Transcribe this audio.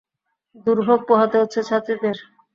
দুর্ভোগ পোহাতে হচ্ছে যাত্রীদের।